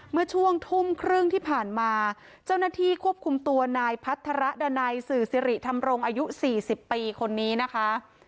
คุ้มครึ่งที่ผ่านมาเจ้าหน้าที่ควบคุมตัวนายพัทรดันัยสื่อสิริธรรมโรงอายุสี่สิบปีคนนี้นะคะ